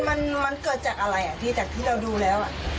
มันเกิดจากอะไรที่เราดูแล้ว